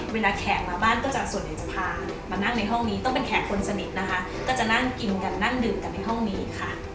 แขกมาบ้านก็จะส่วนใหญ่จะพามานั่งในห้องนี้ต้องเป็นแขกคนสนิทนะคะก็จะนั่งกินกันนั่งดื่มกันในห้องนี้ค่ะ